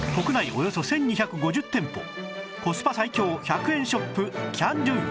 およそ１２５０店舗コスパ最強１００円ショップキャンドゥ